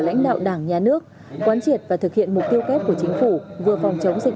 lãnh đạo đảng nhà nước quán triệt và thực hiện mục tiêu kép của chính phủ vừa phòng chống dịch